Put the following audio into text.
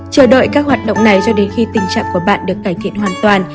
chờ đợi các hoạt động này cho đến khi tình trạng của bạn được cải thiện hoàn toàn